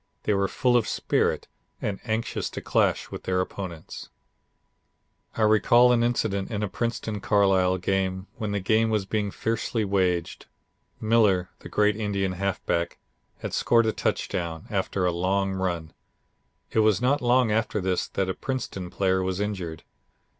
They were full of spirit and anxious to clash with their opponents. [Illustration: THE GREATEST INDIAN OF THEM ALL] I recall an incident in a Princeton Carlisle game, when the game was being fiercely waged. Miller, the great Indian halfback, had scored a touchdown, after a long run. It was not long after this that a Princeton player was injured.